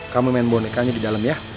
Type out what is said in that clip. kamu main bonekanya di dalam ya